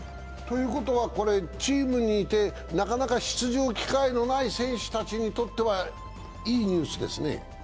チームにいてなかなか出場機会のない選手たちにとってはいいニュースですね。